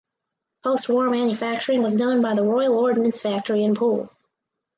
Post war manufacturing was done by the Royal Ordnance Factory in Poole.